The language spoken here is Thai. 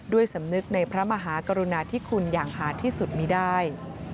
สำนึกในพระมหากรุณาธิคุณอย่างหาดที่สุดมีได้